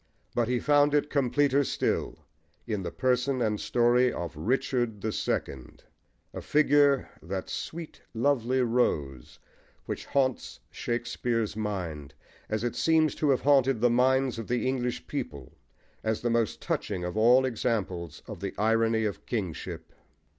But he found it completer still in the person and story of Richard the Second, a figure "that sweet lovely rose" which haunts Shakespeare's mind, as it seems long to have haunted the minds of the English people, as the most touching of all examples of the irony of kingship.